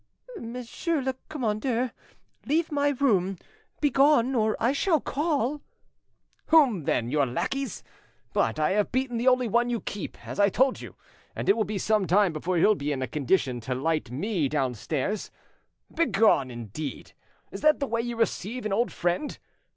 "Monsieur le commandeur, leave my room; begone, or I shall call——" "Whom, then? Your lackeys? But I have beaten the only one you keep, as I told you, and it will be some time before he'll be in a condition to light me downstairs: 'Begone,' indeed! Is that the way you receive an old friend?